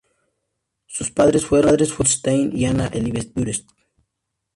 Sus padres fueron John Stein y Anna Elizabeth Durst.